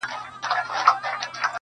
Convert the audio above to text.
د يوې ليري ګوښه ولسوالۍ څخه